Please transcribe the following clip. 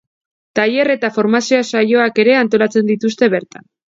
Tailer eta formazio saioak ere antolatzen dituzte bertan.